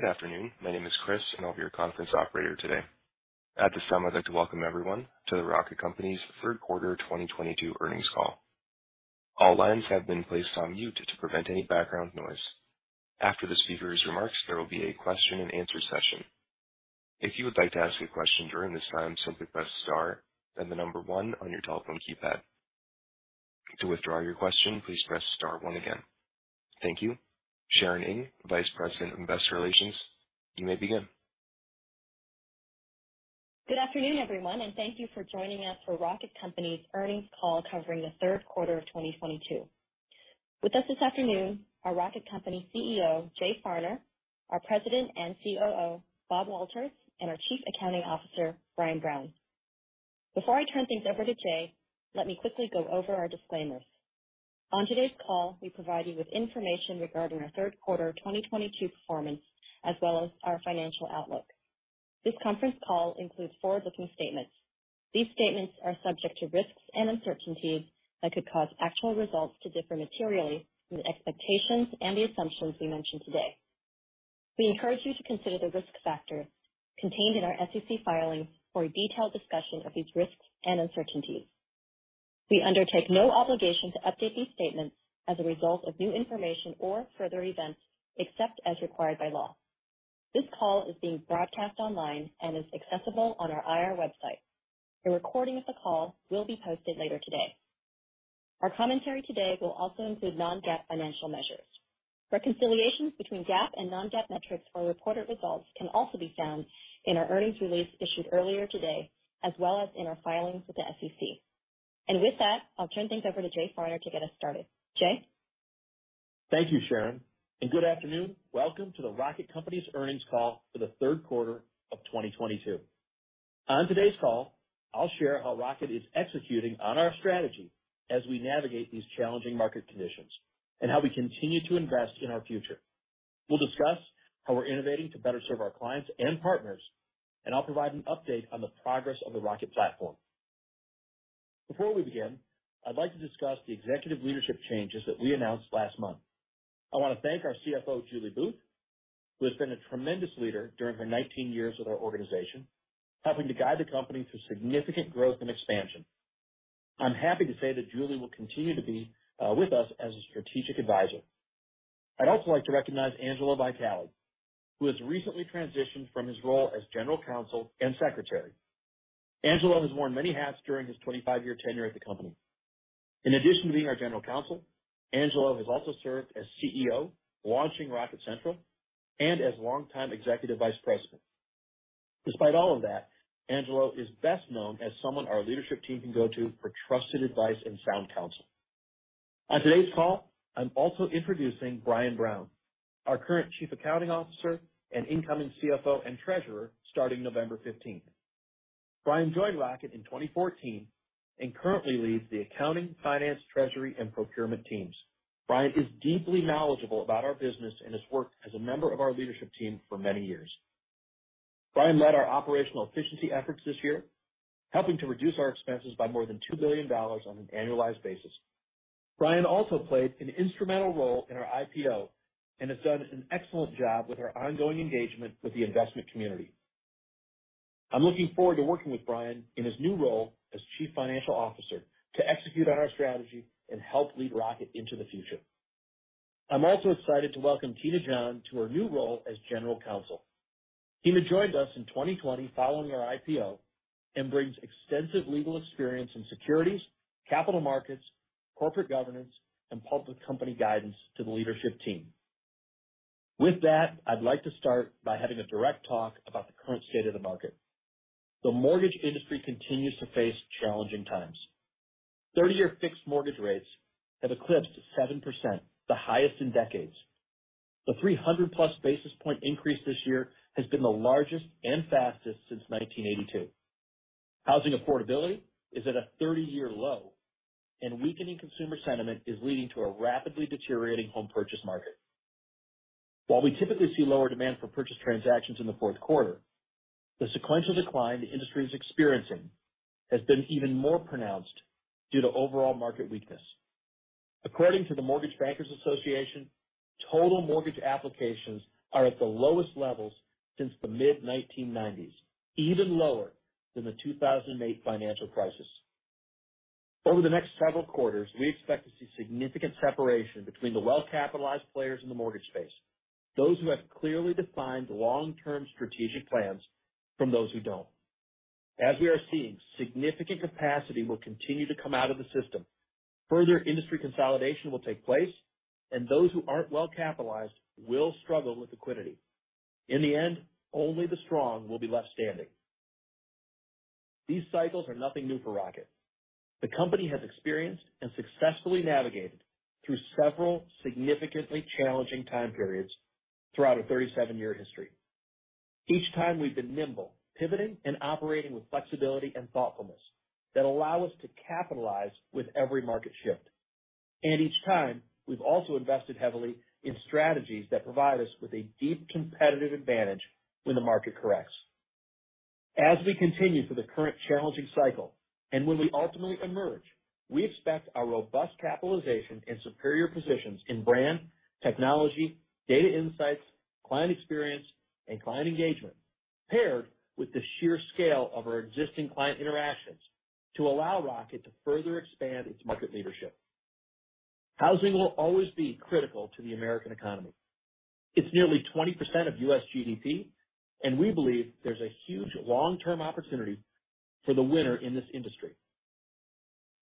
Good afternoon. My name is Chris, and I'll be your conference operator today. At this time, I'd like to welcome everyone to the Rocket Companies' third quarter 2022 earnings call. All lines have been placed on mute to prevent any background noise. After the speakers' remarks, there will be a question and answer session. If you would like to ask a question during this time, simply press star, then the number one on your telephone keypad. To withdraw your question, please press star one again. Thank you. Sharon Ng, Vice President of Investor Relations, you may begin. Good afternoon, everyone, and thank you for joining us for Rocket Companies' earnings call covering the third quarter of 2022. With us this afternoon, our Rocket Companies CEO, Jay Farner, our President and COO, Bob Walters, and our Chief Accounting Officer, Brian Brown. Before I turn things over to Jay, let me quickly go over our disclaimers. On today's call, we provide you with information regarding our third quarter 2022 performance, as well as our financial outlook. This conference call includes forward-looking statements. These statements are subject to risks and uncertainties that could cause actual results to differ materially from the expectations and the assumptions we mention today. We encourage you to consider the risk factors contained in our SEC filings for a detailed discussion of these risks and uncertainties. We undertake no obligation to update these statements as a result of new information or further events, except as required by law. This call is being broadcast online and is accessible on our IR website. A recording of the call will be posted later today. Our commentary today will also include non-GAAP financial measures. Reconciliations between GAAP and non-GAAP metrics or reported results can also be found in our earnings release issued earlier today, as well as in our filings with the SEC. With that, I'll turn things over to Jay Farner to get us started. Jay? Thank you, Sharon, and good afternoon. Welcome to the Rocket Companies' earnings call for the third quarter of 2022. On today's call, I'll share how Rocket is executing on our strategy as we navigate these challenging market conditions and how we continue to invest in our future. We'll discuss how we're innovating to better serve our clients and partners, and I'll provide an update on the progress of the Rocket platform. Before we begin, I'd like to discuss the executive leadership changes that we announced last month. I want to thank our CFO, Julie Booth, who has been a tremendous leader during her 19 years with our organization, helping to guide the company through significant growth and expansion. I'm happy to say that Julie will continue to be with us as a strategic advisor. I'd also like to recognize Angelo Vitale, who has recently transitioned from his role as General Counsel and Secretary. Angelo has worn many hats during his 25-year tenure at the company. In addition to being our General Counsel, Angelo has also served as CEO, launching Rocket Central, and as longtime Executive Vice President. Despite all of that, Angelo is best known as someone our leadership team can go to for trusted advice and sound counsel. On today's call, I'm also introducing Brian Brown, our current Chief Accounting Officer and incoming CFO and Treasurer starting November 15th. Brian joined Rocket in 2014 and currently leads the accounting, finance, treasury, and procurement teams. Brian is deeply knowledgeable about our business and has worked as a member of our leadership team for many years. Brian led our operational efficiency efforts this year, helping to reduce our expenses by more than $2 billion on an annualized basis. Brian also played an instrumental role in our IPO and has done an excellent job with our ongoing engagement with the investment community. I'm looking forward to working with Brian in his new role as Chief Financial Officer to execute on our strategy and help lead Rocket into the future. I'm also excited to welcome Tina John to her new role as General Counsel. Tina joined us in 2020 following our IPO and brings extensive legal experience in securities, capital markets, corporate governance, and public company guidance to the leadership team. With that, I'd like to start by having a direct talk about the current state of the market. The mortgage industry continues to face challenging times. 30-year fixed mortgage rates have eclipsed 7%, the highest in decades. The 300+ basis point increase this year has been the largest and fastest since 1982. Housing affordability is at a 30-year low, and weakening consumer sentiment is leading to a rapidly deteriorating home purchase market. While we typically see lower demand for purchase transactions in the fourth quarter, the sequential decline the industry is experiencing has been even more pronounced due to overall market weakness. According to the Mortgage Bankers Association, total mortgage applications are at the lowest levels since the mid-1990s, even lower than the 2008 financial crisis. Over the next several quarters, we expect to see significant separation between the well-capitalized players in the mortgage space, those who have clearly defined long-term strategic plans from those who don't. As we are seeing, significant capacity will continue to come out of the system. Further industry consolidation will take place, and those who aren't well capitalized will struggle with liquidity. In the end, only the strong will be left standing. These cycles are nothing new for Rocket. The company has experienced and successfully navigated through several significantly challenging time periods throughout a 37-year history. Each time we've been nimble, pivoting and operating with flexibility and thoughtfulness that allow us to capitalize with every market shift. Each time, we've also invested heavily in strategies that provide us with a deep competitive advantage when the market corrects. As we continue through the current challenging cycle and when we ultimately emerge, we expect our robust capitalization and superior positions in brand, technology, data insights, client experience, and client engagement, paired with the sheer scale of our existing client interactions to allow Rocket to further expand its market leadership. Housing will always be critical to the American economy. It's nearly 20% of U.S. GDP, and we believe there's a huge long-term opportunity for the winner in this industry.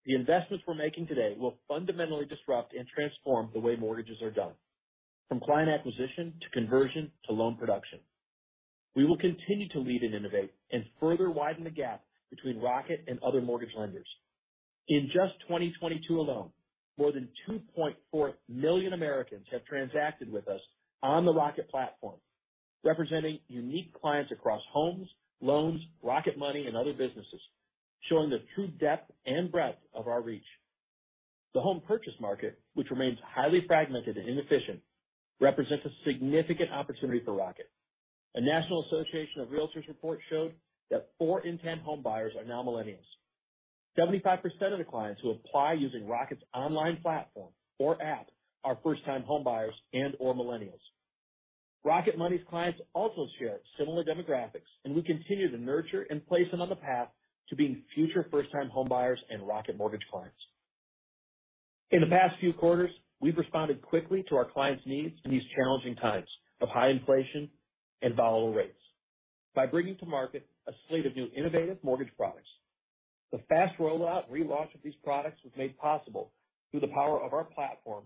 The investments we're making today will fundamentally disrupt and transform the way mortgages are done, from client acquisition to conversion to loan production. We will continue to lead and innovate and further widen the gap between Rocket and other mortgage lenders. In just 2022 alone, more than 2.4 million Americans have transacted with us on the Rocket platform, representing unique clients across Homes, Loans, Rocket Money, and other businesses, showing the true depth and breadth of our reach. The Home purchase market, which remains highly fragmented and inefficient, represents a significant opportunity for Rocket. A National Association of Realtors report showed that four in 10 home buyers are now millennials. 75% of the clients who apply using Rocket's online platform or app are first-time homebuyers and/or millennials. Rocket Money's clients also share similar demographics, and we continue to nurture and place them on the path to being future first-time homebuyers and Rocket Mortgage clients. In the past few quarters, we've responded quickly to our clients' needs in these challenging times of high inflation and volatile rates by bringing to market a slate of new innovative mortgage products. The fast rollout and relaunch of these products was made possible through the power of our platform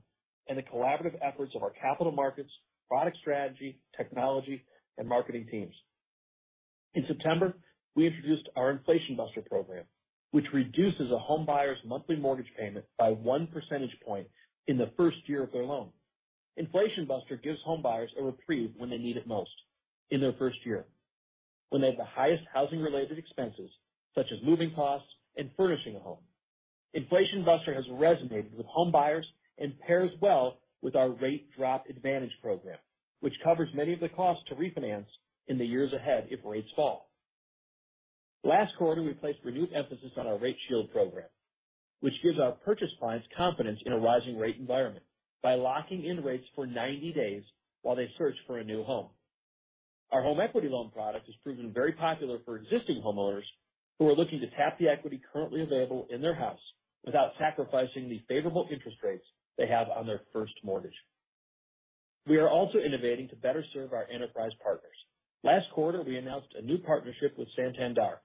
and the collaborative efforts of our capital markets, product strategy, technology, and marketing teams. In September, we introduced our Inflation Buster program, which reduces a homebuyer's monthly mortgage payment by one percentage point in the first year of their loan. Inflation Buster gives homebuyers a reprieve when they need it most, in their first year, when they have the highest housing-related expenses, such as moving costs and furnishing a home. Inflation Buster has resonated with homebuyers and pairs well with our Rate Drop Advantage program, which covers many of the costs to refinance in the years ahead if rates fall. Last quarter, we placed renewed emphasis on our Rate Shield program, which gives our purchase clients confidence in a rising rate environment by locking in rates for 90 days while they search for a new home. Our home equity loan product has proven very popular for existing homeowners who are looking to tap the equity currently available in their house without sacrificing the favorable interest rates they have on their first mortgage. We are also innovating to better serve our enterprise partners. Last quarter, we announced a new partnership with Santander,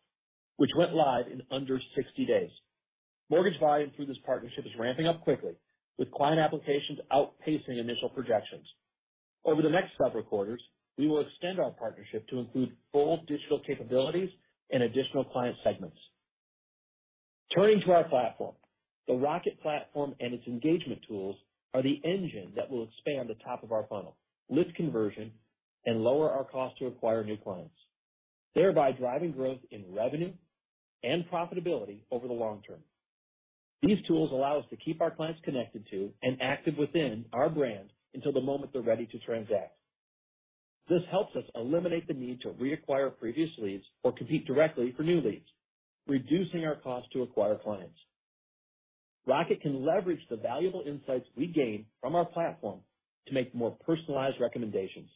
which went live in under 60 days. Mortgage volume through this partnership is ramping up quickly, with client applications outpacing initial projections. Over the next several quarters, we will extend our partnership to include full digital capabilities and additional client segments. Turning to our platform. The Rocket platform and its engagement tools are the engine that will expand the top of our funnel, lift conversion, and lower our cost to acquire new clients, thereby driving growth in revenue and profitability over the long term. These tools allow us to keep our clients connected to and active within our brand until the moment they're ready to transact. This helps us eliminate the need to reacquire previous leads or compete directly for new leads, reducing our cost to acquire clients. Rocket can leverage the valuable insights we gain from our platform to make more personalized recommendations.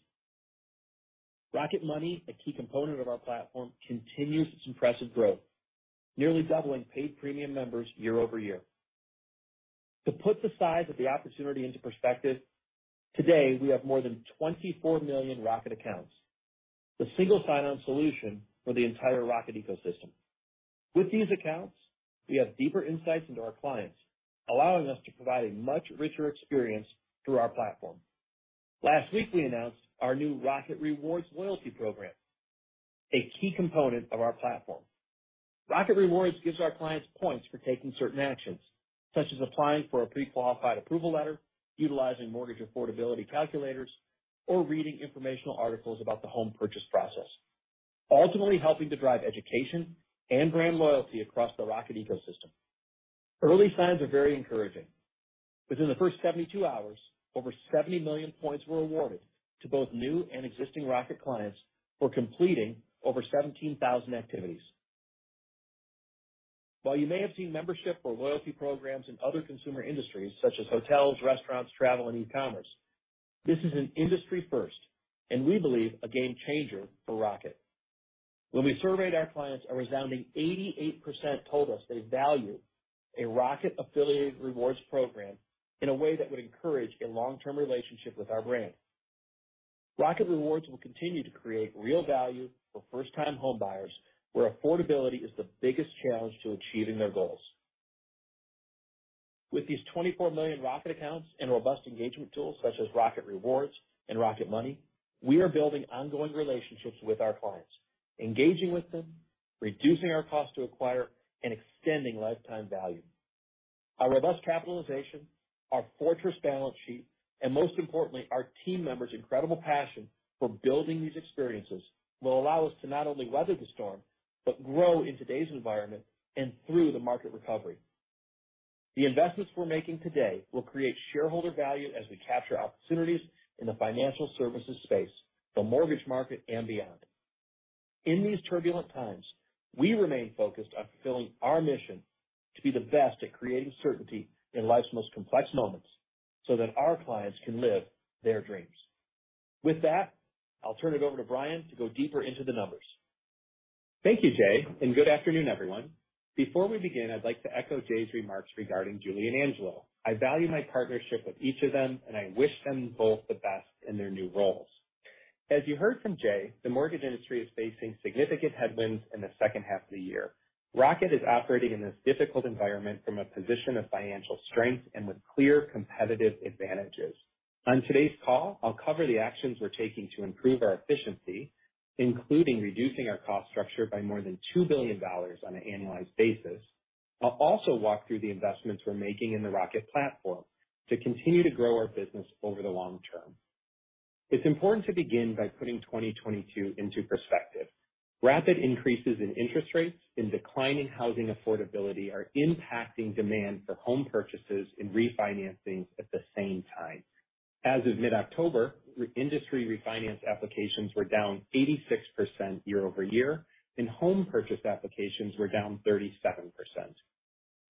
Rocket Money, a key component of our platform, continues its impressive growth, nearly doubling paid premium members year-over-year. To put the size of the opportunity into perspective, today, we have more than 24 million Rocket accounts, the single sign-on solution for the entire Rocket ecosystem. With these accounts, we have deeper insights into our clients, allowing us to provide a much richer experience through our platform. Last week, we announced our new Rocket Rewards loyalty program, a key component of our platform. Rocket Rewards gives our clients points for taking certain actions, such as applying for a pre-qualified approval letter, utilizing mortgage affordability calculators, or reading informational articles about the home purchase process, ultimately helping to drive education and brand loyalty across the Rocket ecosystem. Early signs are very encouraging. Within the first 72 hours, over 70 million points were awarded to both new and existing Rocket clients for completing over 17,000 activities. While you may have seen membership or loyalty programs in other consumer industries such as hotels, restaurants, travel, and e-commerce, this is an industry first, and we believe, a game changer for Rocket. When we surveyed our clients, a resounding 88% told us they value a Rocket-affiliated rewards program in a way that would encourage a long-term relationship with our brand. Rocket Rewards will continue to create real value for first-time homebuyers, where affordability is the biggest challenge to achieving their goals. With these 24 million Rocket accounts and robust engagement tools such as Rocket Rewards and Rocket Money, we are building ongoing relationships with our clients, engaging with them, reducing our cost to acquire, and extending lifetime value. Our robust capitalization, our fortress balance sheet, and most importantly, our team members' incredible passion for building these experiences, will allow us to not only weather the storm but grow in today's environment and through the market recovery. The investments we're making today will create shareholder value as we capture opportunities in the financial services space, the mortgage market, and beyond. In these turbulent times, we remain focused on fulfilling our mission to be the best at creating certainty in life's most complex moments so that our clients can live their dreams. With that, I'll turn it over to Brian to go deeper into the numbers. Thank you, Jay, and good afternoon, everyone. Before we begin, I'd like to echo Jay's remarks regarding Julie and Angelo. I value my partnership with each of them, and I wish them both the best in their new roles. As you heard from Jay, the mortgage industry is facing significant headwinds in the second half of the year. Rocket is operating in this difficult environment from a position of financial strength and with clear competitive advantages. On today's call, I'll cover the actions we're taking to improve our efficiency, including reducing our cost structure by more than $2 billion on an annualized basis. I'll also walk through the investments we're making in the Rocket platform to continue to grow our business over the long term. It's important to begin by putting 2022 into perspective. Rapid increases in interest rates and declining housing affordability are impacting demand for home purchases and refinancing at the same time. As of mid-October, industry refinance applications were down 86% year-over-year, and home purchase applications were down 37%.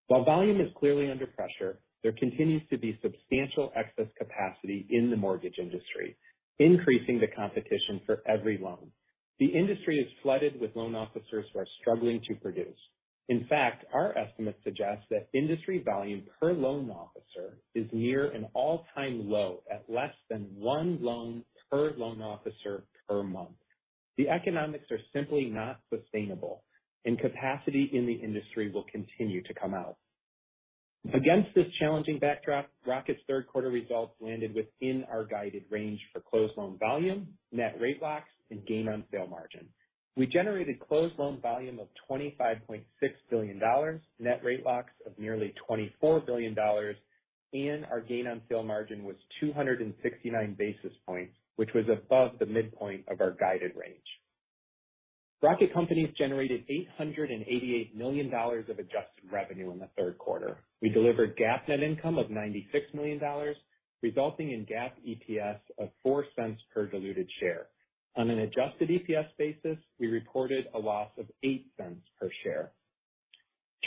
While volume is clearly under pressure, there continues to be substantial excess capacity in the mortgage industry, increasing the competition for every loan. The industry is flooded with loan officers who are struggling to produce. In fact, our estimates suggest that industry volume per loan officer is near an all-time low at less than one loan per loan officer per month. The economics are simply not sustainable and capacity in the industry will continue to come out. Against this challenging backdrop, Rocket's third quarter results landed within our guided range for closed loan volume, net rate locks, and gain on sale margin. We generated closed loan volume of $25.6 billion, net rate locks of nearly $24 billion, and our gain on sale margin was 269 basis points, which was above the midpoint of our guided range. Rocket Companies generated $888 million of adjusted revenue in the third quarter. We delivered GAAP net income of $96 million, resulting in GAAP EPS of $0.04 per diluted share. On an adjusted EPS basis, we reported a loss of $0.08 per share.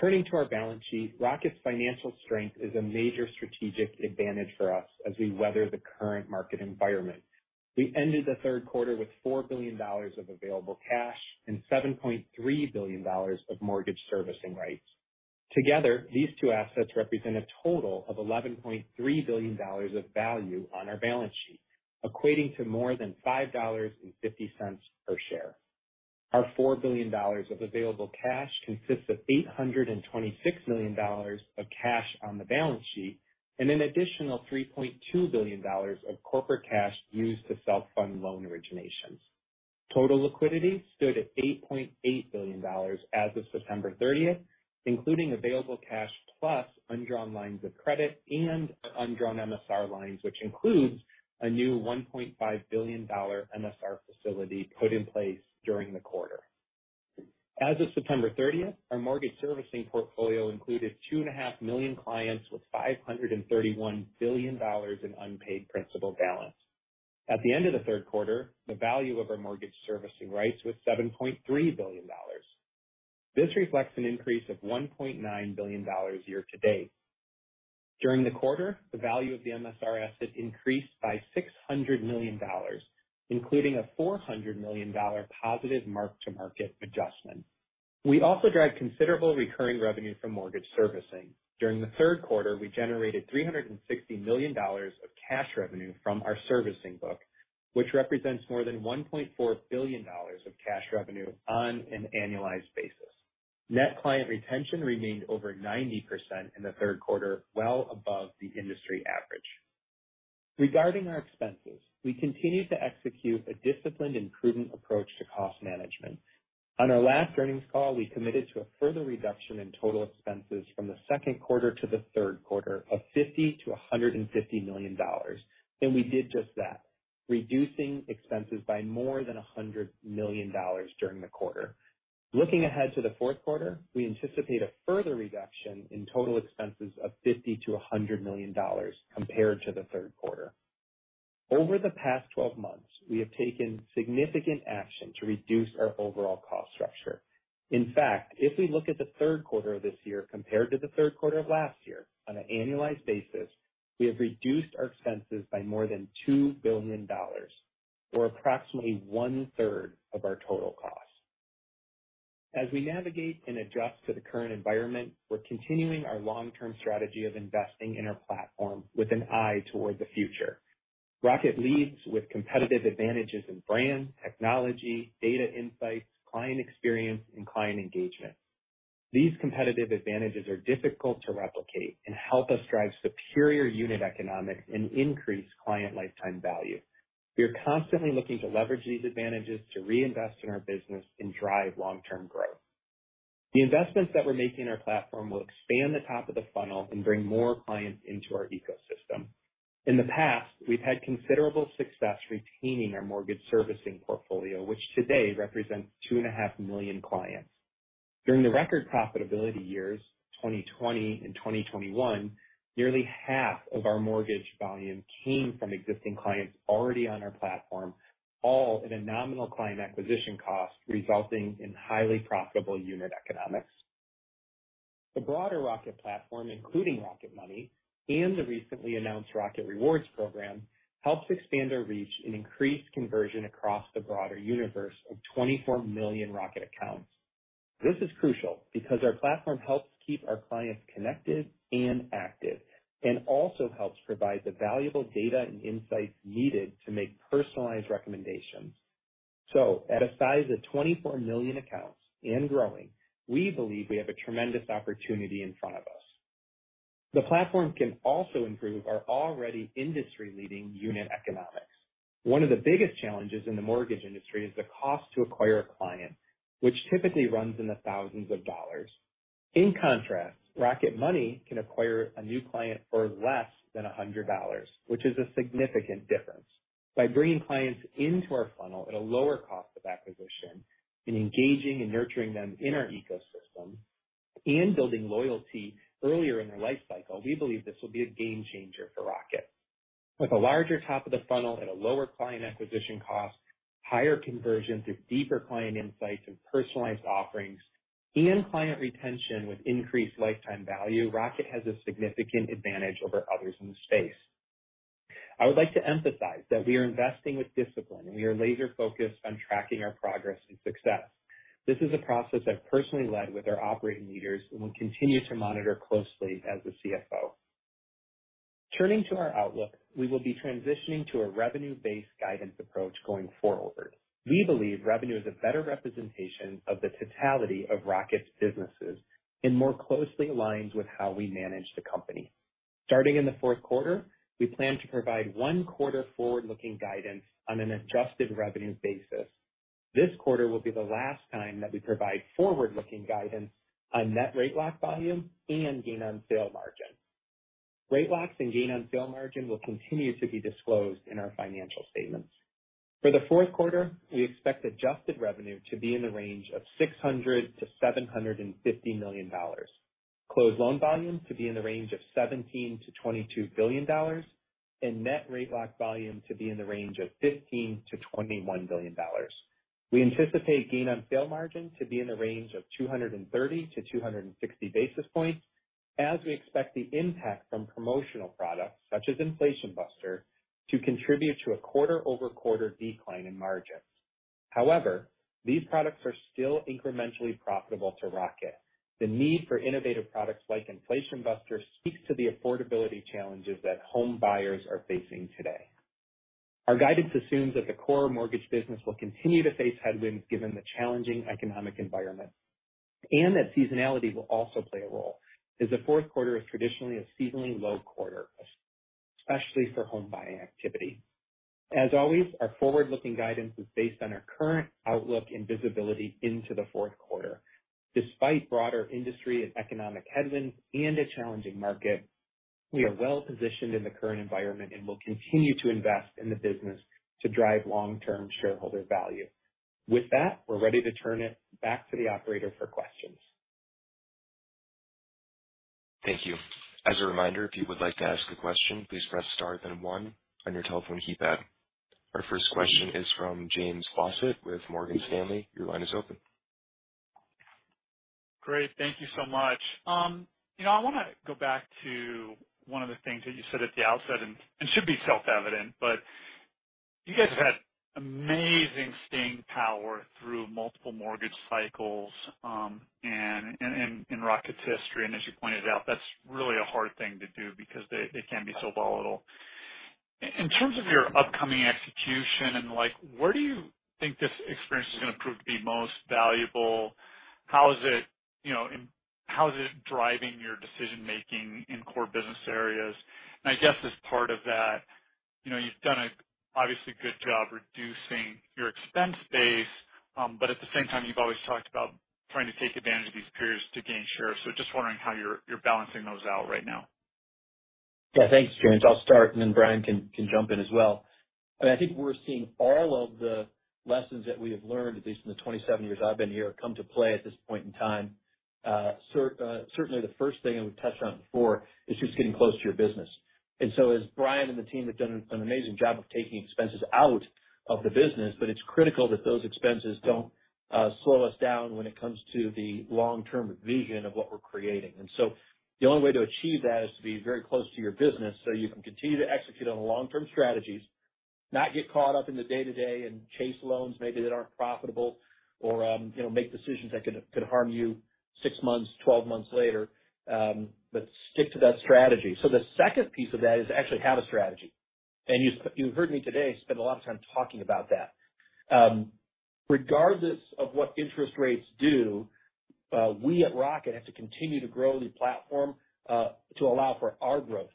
Turning to our balance sheet, Rocket's financial strength is a major strategic advantage for us as we weather the current market environment. We ended the third quarter with $4 billion of available cash and $7.3 billion of mortgage servicing rights. Together, these two assets represent a total of $11.3 billion of value on our balance sheet, equating to more than $5.50 per share. Our $4 billion of available cash consists of $826 million of cash on the balance sheet and an additional $3.2 billion of corporate cash used to self-fund loan originations. Total liquidity stood at $8.8 billion as of September 30th, including available cash plus undrawn lines of credit and undrawn MSR lines, which includes a new $1.5 billion dollar MSR facility put in place during the quarter. As of September 30th, our mortgage servicing portfolio included 2.5 million clients with $531 billion in unpaid principal balance. At the end of the third quarter, the value of our mortgage servicing rights was $7.3 billion. This reflects an increase of $1.9 billion year-to-date. During the quarter, the value of the MSR asset increased by $600 million, including a $400 million positive mark-to-market adjustment. We also drive considerable recurring revenue from mortgage servicing. During the third quarter, we generated $360 million of cash revenue from our servicing book, which represents more than $1.4 billion of cash revenue on an annualized basis. Net client retention remained over 90% in the third quarter, well above the industry average. Regarding our expenses, we continued to execute a disciplined and prudent approach to cost management. On our last earnings call, we committed to a further reduction in total expenses from the second quarter to the third quarter of $50-$150 million, and we did just that, reducing expenses by more than $100 million during the quarter. Looking ahead to the fourth quarter, we anticipate a further reduction in total expenses of $50-$100 million compared to the third quarter. Over the past 12 months, we have taken significant action to reduce our overall cost structure. In fact, if we look at the third quarter of this year compared to the third quarter of last year on an annualized basis, we have reduced our expenses by more than $2 billion, or approximately one-third of our total cost. As we navigate and adjust to the current environment, we're continuing our long-term strategy of investing in our platform with an eye toward the future. Rocket leads with competitive advantages in brand, technology, data insights, client experience, and client engagement. These competitive advantages are difficult to replicate and help us drive superior unit economics and increase client lifetime value. We are constantly looking to leverage these advantages to reinvest in our business and drive long-term growth. The investments that we're making in our platform will expand the top of the funnel and bring more clients into our ecosystem. In the past, we've had considerable success retaining our mortgage servicing portfolio, which today represents 2.5 million clients. During the record profitability years, 2020 and 2021, nearly half of our mortgage volume came from existing clients already on our platform, all at a nominal client acquisition cost, resulting in highly profitable unit economics. The broader Rocket platform, including Rocket Money and the recently announced Rocket Rewards program, helps expand our reach and increase conversion across the broader universe of 24 million Rocket accounts. This is crucial because our platform helps keep our clients connected and active and also helps provide the valuable data and insights needed to make personalized recommendations. At a size of 24 million accounts and growing, we believe we have a tremendous opportunity in front of us. The platform can also improve our already industry-leading unit economics. One of the biggest challenges in the mortgage industry is the cost to acquire a client, which typically runs in the thousands of dollars. In contrast, Rocket Money can acquire a new client for less than $100, which is a significant difference. By bringing clients into our funnel at a lower cost of acquisition and engaging and nurturing them in our ecosystem and building loyalty earlier in their life cycle, we believe this will be a game changer for Rocket. With a larger top of the funnel at a lower client acquisition cost, higher conversion through deeper client insights and personalized offerings, and client retention with increased lifetime value, Rocket has a significant advantage over others in the space. I would like to emphasize that we are investing with discipline, and we are laser-focused on tracking our progress and success. This is a process I've personally led with our operating leaders and will continue to monitor closely as the CFO. Turning to our outlook, we will be transitioning to a revenue-based guidance approach going forward. We believe revenue is a better representation of the totality of Rocket's businesses and more closely aligns with how we manage the company. Starting in the fourth quarter, we plan to provide one quarter forward-looking guidance on an adjusted revenue basis. This quarter will be the last time that we provide forward-looking guidance on net rate lock volume and gain on sale margin. Rate locks and gain on sale margin will continue to be disclosed in our financial statements. For the fourth quarter, we expect adjusted revenue to be in the range of $600 million-$750 million, closed loan volume to be in the range of $17 billion-$22 billion, and net rate lock volume to be in the range of $15 billion-$21 billion. We anticipate gain on sale margin to be in the range of 230-260 basis points as we expect the impact from promotional products such as Inflation Buster to contribute to a quarter-over-quarter decline in margins. However, these products are still incrementally profitable to Rocket. The need for innovative products like Inflation Buster speaks to the affordability challenges that home buyers are facing today. Our guidance assumes that the core mortgage business will continue to face headwinds, given the challenging economic environment, and that seasonality will also play a role, as the fourth quarter is traditionally a seasonally low quarter, especially for home buying activity. As always, our forward-looking guidance is based on our current outlook and visibility into the fourth quarter. Despite broader industry and economic headwinds and a challenging market, we are well positioned in the current environment and will continue to invest in the business to drive long-term shareholder value. With that, we're ready to turn it back to the operator for questions. Thank you. As a reminder, if you would like to ask a question, please press star then one on your telephone keypad. Our first question is from James Faucette with Morgan Stanley. Your line is open. Great. Thank you so much. You know, I wanna go back to one of the things that you said at the outset, and it should be self-evident, but you guys have had amazing staying power through multiple mortgage cycles and in Rocket's history. As you pointed out, that's really a hard thing to do because they can be so volatile. In terms of your upcoming execution and, like, where do you think this experience is gonna prove to be most valuable? How is it, you know, how is it driving your decision-making in core business areas? I guess as part of that, you know, you've done a obviously good job reducing your expense base, but at the same time, you've always talked about trying to take advantage of these periods to gain share. Just wondering how you're balancing those out right now. Yeah. Thanks, James. I'll start, and then Brian can jump in as well. I mean, I think we're seeing all of the lessons that we have learned, at least in the 27 years I've been here, come to play at this point in time. Certainly the first thing, and we've touched on it before, is just getting close to your business. As Brian and the team have done an amazing job of taking expenses out of the business, but it's critical that those expenses don't slow us down when it comes to the long-term vision of what we're creating. The only way to achieve that is to be very close to your business so you can continue to execute on the long-term strategies, not get caught up in the day-to-day and chase loans maybe that aren't profitable or, you know, make decisions that could harm you six months, 12 months later, but stick to that strategy. The second piece of that is actually have a strategy. You've heard me today spend a lot of time talking about that. Regardless of what interest rates do, we at Rocket have to continue to grow the platform, to allow for our growth,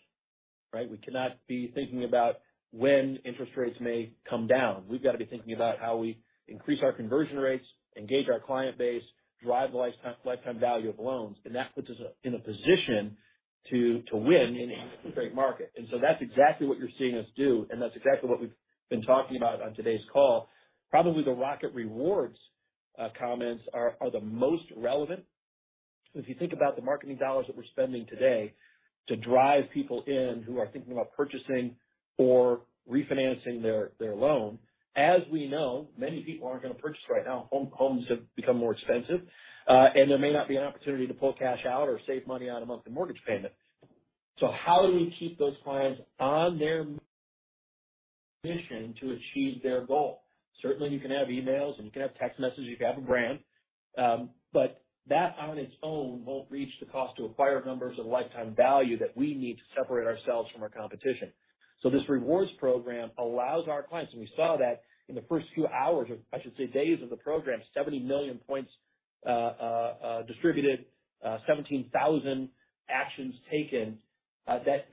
right? We cannot be thinking about when interest rates may come down. We've got to be thinking about how we increase our conversion rates, engage our client base, drive the lifetime value of loans, and that puts us in a position to win in a great market. That's exactly what you're seeing us do, and that's exactly what we've been talking about on today's call. Probably the Rocket Rewards comments are the most relevant. If you think about the marketing dollars that we're spending today to drive people in who are thinking about purchasing or refinancing their loan, as we know, many people aren't gonna purchase right now. Homes have become more expensive, and there may not be an opportunity to pull cash out or save money on a monthly mortgage payment. How do we keep those clients on their mission to achieve their goal? Certainly, you can have emails, and you can have text messages, you can have a brand, but that on its own won't reach the cost to acquire numbers or the lifetime value that we need to separate ourselves from our competition. This rewards program allows our clients. We saw that in the first few hours, or I should say, days of the program, 70 million points distributed, 17,000 actions taken. That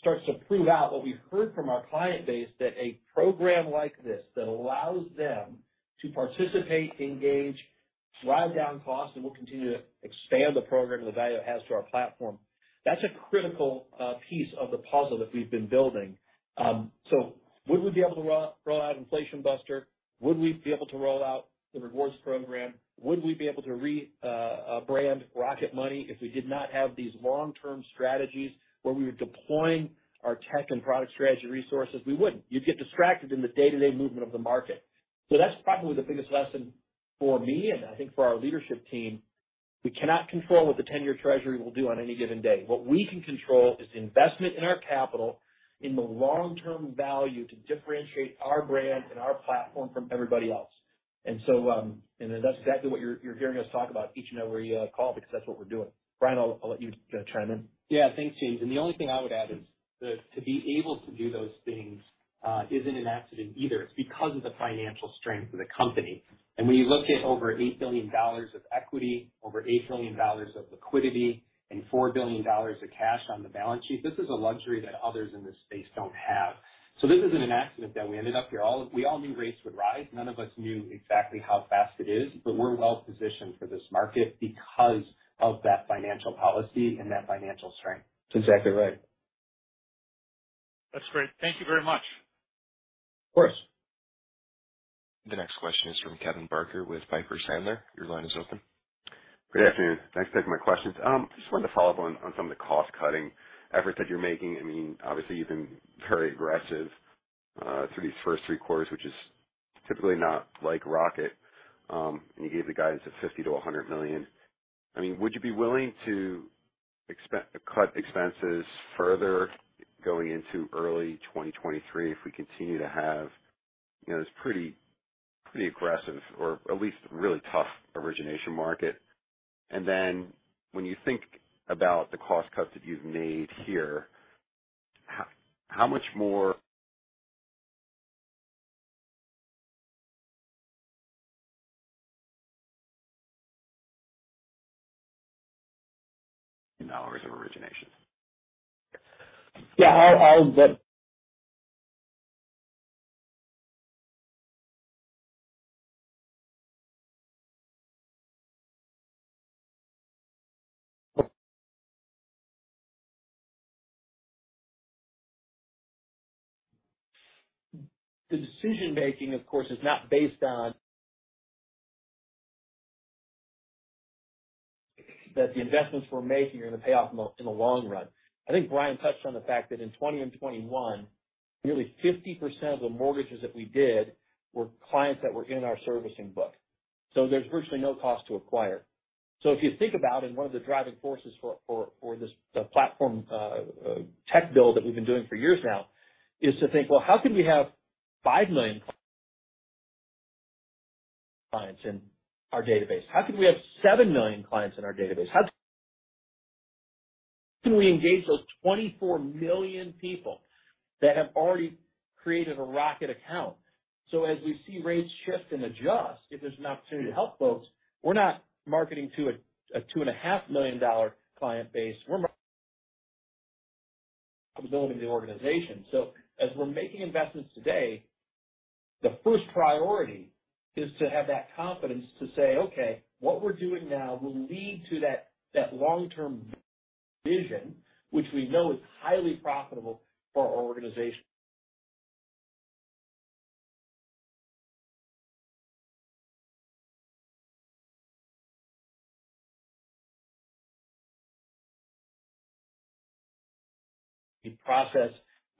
starts to prove out what we've heard from our client base, that a program like this that allows them to participate, engage, drive down costs, and we'll continue to expand the program and the value it has to our platform. That's a critical piece of the puzzle that we've been building. Would we be able to roll out Inflation Buster? Would we be able to roll out the Rewards program? Would we be able to rebrand Rocket Money if we did not have these long-term strategies where we were deploying our tech and product strategy resources? We wouldn't. You'd get distracted in the day-to-day movement of the market. That's probably the biggest lesson for me, and I think for our leadership team. We cannot control what the ten-year Treasury will do on any given day. What we can control is the investment in our capital in the long-term value to differentiate our brand and our platform from everybody else. That's exactly what you're hearing us talk about each and every call because that's what we're doing. Brian, I'll let you chime in. Yeah. Thanks, Jay. The only thing I would add is that to be able to do those things isn't an accident either. It's because of the financial strength of the company. When you look at over $8 billion of equity, over $8 billion of liquidity, and $4 billion of cash on the balance sheet, this is a luxury that others in this space don't have. This isn't an accident that we ended up here. We all knew rates would rise. None of us knew exactly how fast it is, but we're well positioned for this market because of that financial policy and that financial strength. That's exactly right. That's great. Thank you very much. Of course. The next question is from Kevin Barker with Piper Sandler. Your line is open. Good afternoon. Thanks for taking my questions. Just wanted to follow up on some of the cost-cutting efforts that you're making. I mean, obviously, you've been very aggressive through these first three quarters, which is typically not like Rocket. You gave the guidance of $50 million-$100 million. I mean, would you be willing to cut expenses further going into early 2023 if we continue to have, you know, this pretty aggressive or at least really tough origination market? When you think about the cost cuts that you've made here, how much more in dollars of origination? Yeah. The decision making, of course, is not based on that the investments we're making are gonna pay off in the long run. I think Brian touched on the fact that in 2020 and 2021, nearly 50% of the mortgages that we did were clients that were in our servicing book. There's virtually no cost to acquire. If you think about it, one of the driving forces for this platform tech build that we've been doing for years now is to think, "Well, how can we have 5 million clients in our database? How can we have 7 million clients in our database? How can we engage those 24 million people that have already created a Rocket account?" As we see rates shift and adjust, if there's an opportunity to help folks, we're not marketing to a $2.5 million-dollar client base. We're marketing ability of the organization. As we're making investments today, the first priority is to have that confidence to say, "Okay, what we're doing now will lead to that long-term vision, which we know is highly profitable for our organization." In process,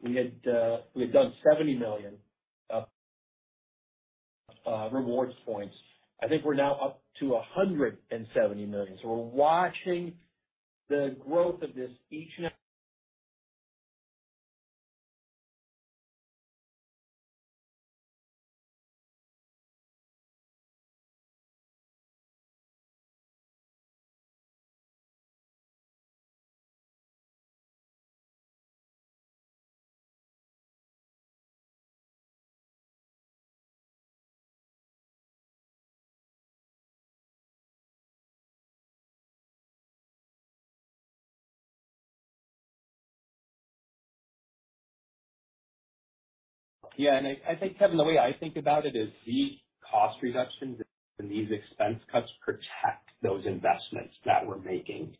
we had done 70 million Rewards points. I think we're now up to 170 million. We're watching the growth of this each and every. Yeah. I think, Kevin, the way I think about it is these cost reductions and these expense cuts protect those investments that we're making.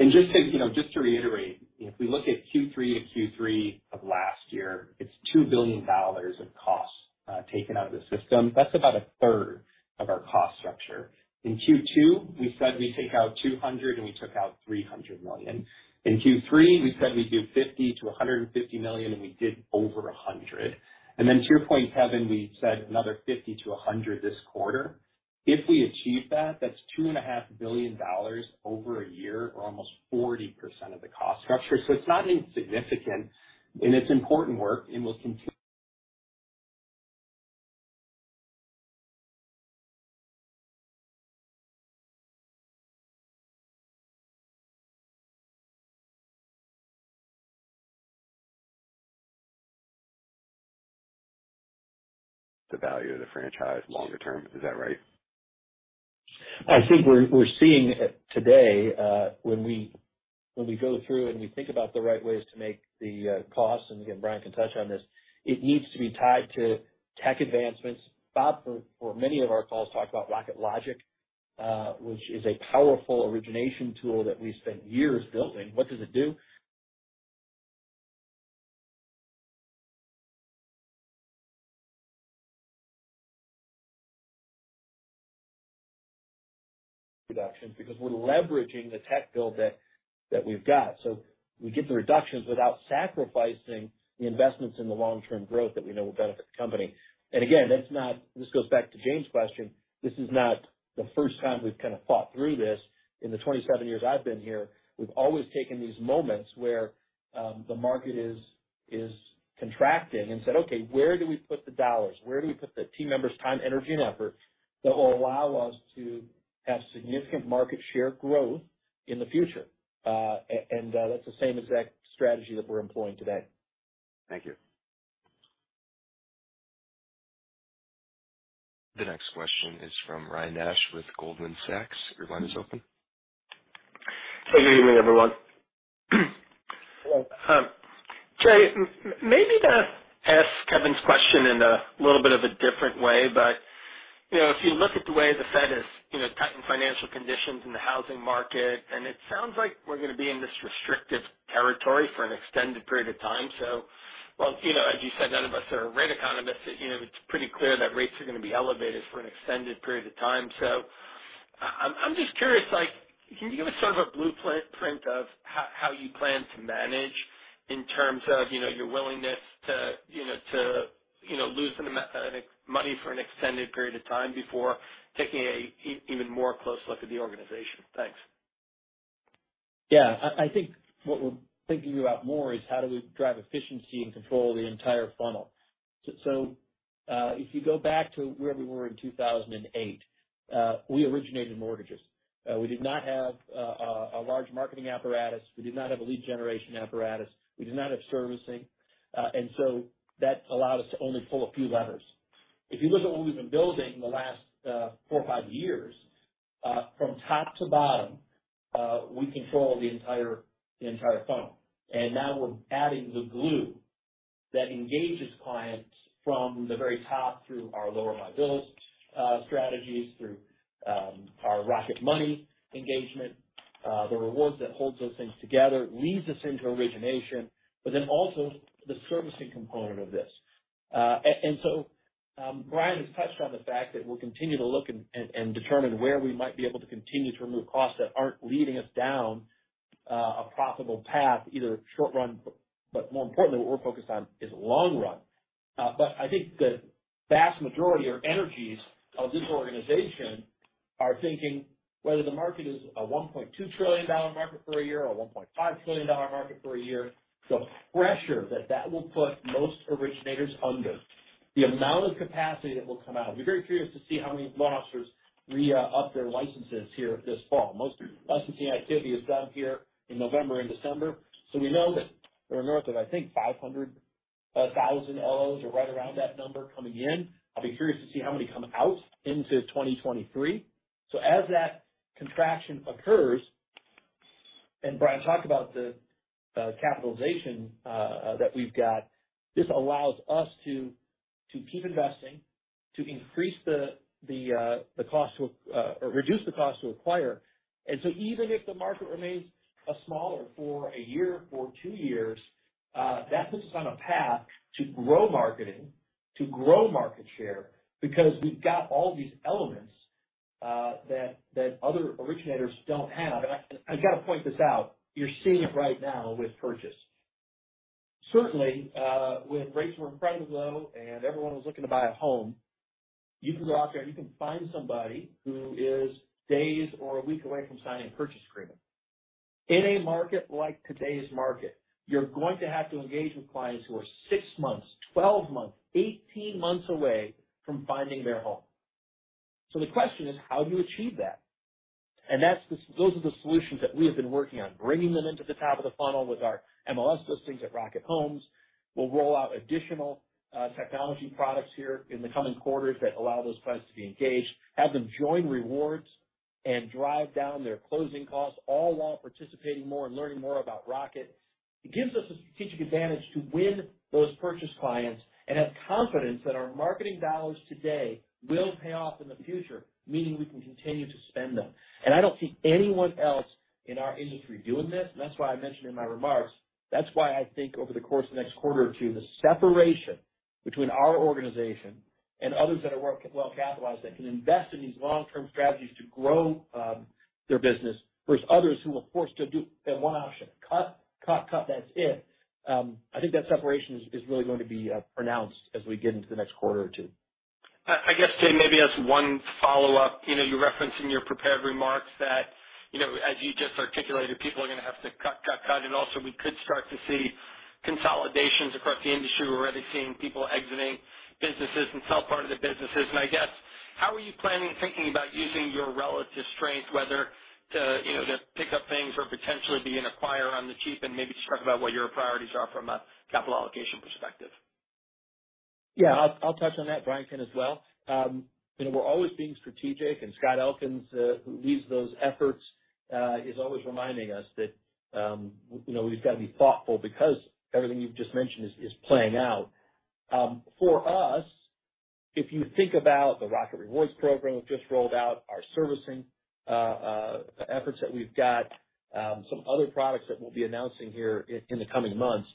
Just to, you know, just to reiterate, if we look at Q3 to Q3 of last year, it's $2 billion of costs taken out of the system. That's about 1/3 of our cost structure. In Q2, we said we'd take out $200 million, and we took out $300 million. In Q3, we said we'd do $50 million-$150 million, and we did over $100 million. Then to your point, Kevin, we said another $50 million-$100 million this quarter. If we achieve that's $2.5 billion over a year or almost 40% of the cost structure. It's not insignificant, and it's important work and will continue- The value of the franchise longer term. Is that right? I think we're seeing today, when we go through and we think about the right ways to make the costs, and again, Brian can touch on this, it needs to be tied to tech advancements. Bob for many of our calls talked about Rocket Logic, which is a powerful origination tool that we've spent years building. What does it do? Reductions because we're leveraging the tech build that we've got. So we get the reductions without sacrificing the investments in the long-term growth that we know will benefit the company. And again, that's not. This goes back to James' question, this is not the first time we've kind of thought through this in the 27 years I've been here. We've always taken these moments where the market is contracting and said, "Okay, where do we put the dollars? Where do we put the team members' time, energy, and effort that will allow us to have significant market share growth in the future? That's the same exact strategy that we're employing today. Thank you. The next question is from Ryan Nash with Goldman Sachs. Your line is open. Good evening, everyone. Jay, maybe to ask Kevin's question in a little bit of a different way, but you know, if you look at the way the Fed is you know cutting financial conditions in the housing market, and it sounds like we're gonna be in this restrictive territory for an extended period of time. While you know, as you said, none of us are rate economists, you know, it's pretty clear that rates are gonna be elevated for an extended period of time. I'm just curious, like, can you give us sort of a blueprint of how you plan to manage in terms of you know your willingness to you know to you know lose some money for an extended period of time before taking a even more close look at the organization? Thanks. Yeah. I think what we're thinking about more is how do we drive efficiency and control the entire funnel. If you go back to where we were in 2008, we originated mortgages. We did not have a large marketing apparatus. We did not have a lead generation apparatus. We did not have servicing. That allowed us to only pull a few levers. If you look at what we've been building the last four or five years, from top to bottom, we control the entire funnel. Now we're adding the glue that engages clients from the very top through our Lower My Bills strategies, through our Rocket Money engagement, the Rewards that holds those things together, leads us into origination, but then also the servicing component of this. Brian has touched on the fact that we'll continue to look and determine where we might be able to continue to remove costs that aren't leading us down a profitable path, either short run, but more importantly, what we're focused on is long run. I think the vast majority of energies of this organization are thinking whether the market is a $1.2 trillion market for a year or a $1.5 trillion market for a year, the pressure that that will put most originators under, the amount of capacity that will come out. I'll be very curious to see how many loan officers re-up their licenses here this fall. Most licensing activity is done here in November and December, so we know that there are north of, I think, 500,000 LOs or right around that number coming in. I'll be curious to see how many come out into 2023. As that contraction occurs, and Brian talked about the capitalization that we've got, this allows us to keep investing, to decrease the cost to acquire. Even if the market remains smaller for a year or two years, that puts us on a path to grow marketing, to grow market share, because we've got all these elements that other originators don't have. I've got to point this out. You're seeing it right now with purchase. Certainly, when rates were incredibly low and everyone was looking to buy a home, you can go out there and you can find somebody who is days or a week away from signing a purchase agreement. In a market like today's market, you're going to have to engage with clients who are six months, 12 months, 18 months away from finding their home. The question is, how do you achieve that? Those are the solutions that we have been working on, bringing them into the top of the funnel with our MLS listings at Rocket Homes. We'll roll out additional technology products here in the coming quarters that allow those clients to be engaged, have them join Rewards and drive down their closing costs, all while participating more and learning more about Rocket. It gives us a strategic advantage to win those purchase clients and have confidence that our marketing dollars today will pay off in the future, meaning we can continue to spend them. I don't see anyone else in our industry doing this, and that's why I mentioned in my remarks, that's why I think over the course of the next quarter or two, the separation between our organization and others that are well-capitalized, that can invest in these long-term strategies to grow their business versus others who are forced to do. They have one option. Cut, cut. That's it. I think that separation is really going to be pronounced as we get into the next quarter or two. I guess, Jay, maybe as one follow-up. You know, you referenced in your prepared remarks that, you know, as you just articulated, people are gonna have to cut, cut, and also we could start to see consolidations across the industry. We're already seeing people exiting businesses and sell part of their businesses. I guess, how are you planning thinking about using your relative strength whether to, you know, to pick up things or potentially be an acquirer on the cheap and maybe just talk about what your priorities are from a capital allocation perspective. Yeah. I'll touch on that. Brian can as well. You know, we're always being strategic, and Scott Elkins, who leads those efforts, is always reminding us that, you know, we've got to be thoughtful because everything you've just mentioned is playing out. For us, if you think about the Rocket Rewards program we've just rolled out, our servicing efforts that we've got, some other products that we'll be announcing here in the coming months.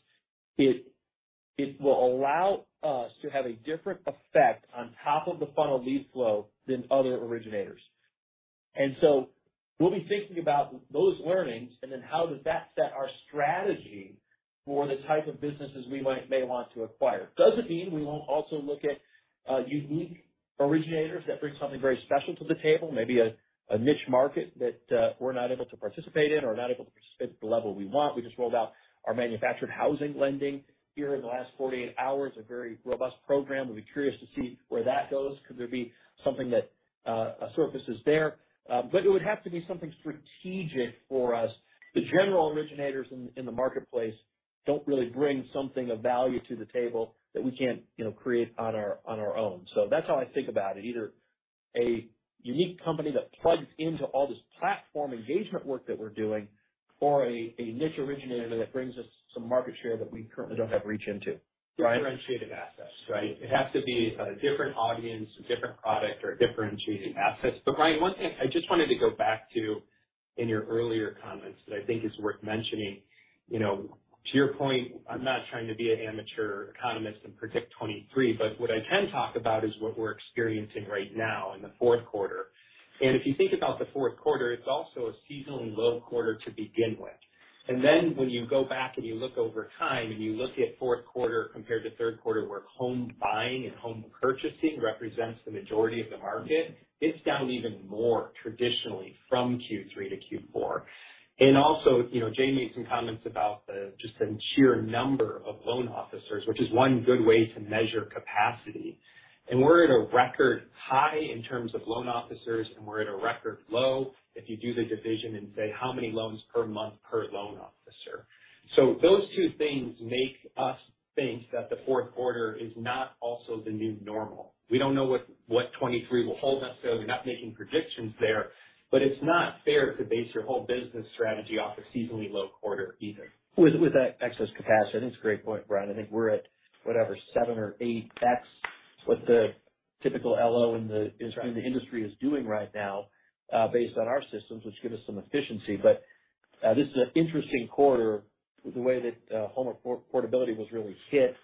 It will allow us to have a different effect on top of the funnel lead flow than other originators. We'll be thinking about those learnings and then how does that set our strategy for the type of businesses we might want to acquire. Doesn't mean we won't also look at unique originators that bring something very special to the table, maybe a niche market that we're not able to participate in or not able to participate at the level we want. We just rolled out our manufactured housing lending here in the last 48 hours, a very robust program. We'll be curious to see where that goes. Could there be something that surfaces there? But it would have to be something strategic for us. The general originators in the marketplace don't really bring something of value to the table that we can't, you know, create on our own. So that's how I think about it. Either a unique company that plugs into all this platform engagement work that we're doing, or a niche originator that brings us some market share that we currently don't have reach into. Differentiated assets, right? It has to be a different audience, a different product or differentiated assets. Ryan, one thing I just wanted to go back to in your earlier comments that I think is worth mentioning. You know, to your point, I'm not trying to be an amateur economist and predict 2023, but what I can talk about is what we're experiencing right now in the fourth quarter. If you think about the fourth quarter, it's also a seasonally low quarter to begin with. Then when you go back and you look over time and you look at fourth quarter compared to third quarter, where home buying and home purchasing represents the majority of the market, it's down even more traditionally from Q3 to Q4. Also, you know, Jay made some comments about the, just the sheer number of loan officers, which is one good way to measure capacity. We're at a record high in terms of loan officers, and we're at a record low if you do the division and say, "How many loans per month per loan officer?" Those two things make us think that the fourth quarter is not also the new normal. We don't know what 2023 will hold for us, so we're not making predictions there. It's not fair to base your whole business strategy off a seasonally low quarter either. With that excess capacity, that's a great point, Brian. I think we're at, whatever, seven or eight. That's what the typical LO in the industry is doing right now, based on our systems, which give us some efficiency. This is an interesting quarter with the way that home affordability was really hit,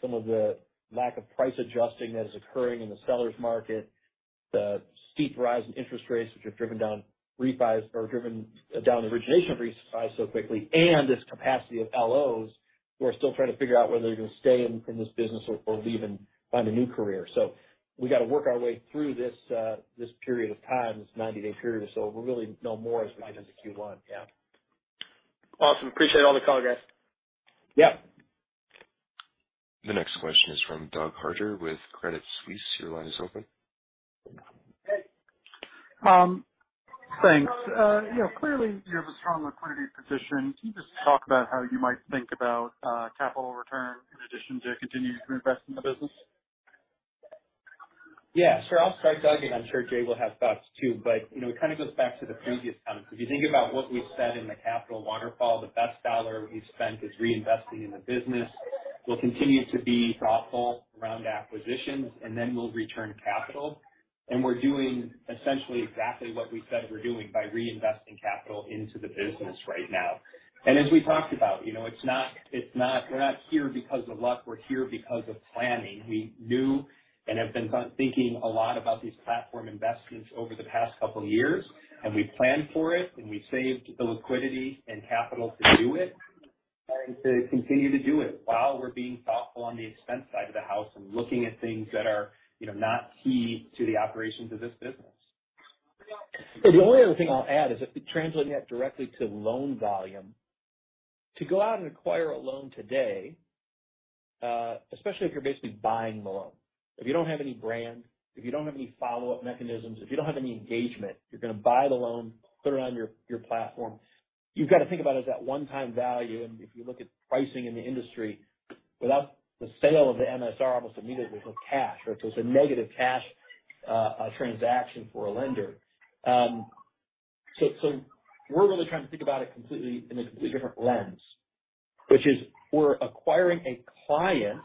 some of the lack of price adjusting that is occurring in the seller's market, the steep rise in interest rates, which have driven down refis or driven down the origination of refis so quickly. This capacity of LOs who are still trying to figure out whether they're gonna stay in this business or leave and find a new career. We got to work our way through this period of time, this 90-day period, or so. We'll really know more as we get into Q1. Yeah. Awesome. Appreciate all the color, guys. Yeah. The next question is from Doug Harter with Credit Suisse. Your line is open. Hey. Thanks. You know, clearly you have a strong liquidity position. Can you just talk about how you might think about capital return in addition to continuing to invest in the business? Yeah, sure. I'll start, Doug, and I'm sure Jay will have thoughts too. You know, it kind of goes back to the previous comment. If you think about what we've said in the capital waterfall, the best dollar we've spent is reinvesting in the business. We'll continue to be thoughtful around acquisitions, and then we'll return capital. We're doing essentially exactly what we said we're doing by reinvesting capital into the business right now. As we talked about, you know, it's not, we're not here because of luck. We're here because of planning. We knew and have been thinking a lot about these platform investments over the past couple of years, and we planned for it, and we saved the liquidity and capital to do it and to continue to do it while we're being thoughtful on the expense side of the house and looking at things that are, you know, not key to the operations of this business. The only other thing I'll add is if you're translating that directly to loan volume, to go out and acquire a loan today, especially if you're basically buying the loan, if you don't have any brand, if you don't have any follow-up mechanisms, if you don't have any engagement, you're gonna buy the loan, put it on your platform. You've got to think about it as that one-time value. If you look at pricing in the industry, without the sale of the MSR, almost immediately, there's no cash. Right? It's a negative cash transaction for a lender. We're really trying to think about it completely in a completely different lens, which is we're acquiring a client